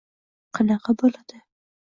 Qanaqa bo‘ladi?